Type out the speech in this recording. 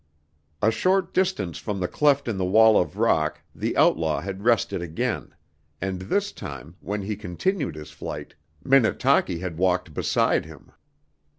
A short distance from the cleft in the wall of rock the outlaw had rested again; and this time, when he continued his flight, Minnetaki had walked beside him.